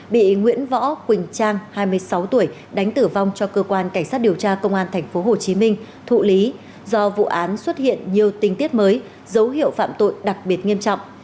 bị nguyễn võ quỳnh trang hai mươi sáu tuổi đánh tử vong cho cơ quan cảnh sát điều tra công an tp hcm thụ lý do vụ án xuất hiện nhiều tình tiết mới dấu hiệu phạm tội đặc biệt nghiêm trọng